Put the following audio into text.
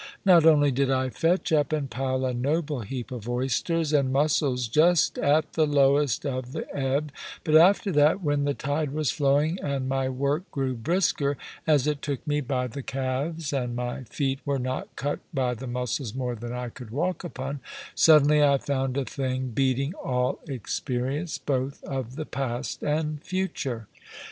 Not only did I fetch up and pile a noble heap of oysters and mussels just at the lowest of the ebb, but after that, when the tide was flowing, and my work grew brisker as it took me by the calves, and my feet were not cut by the mussels more than I could walk upon suddenly I found a thing beating all experience both of the past and future.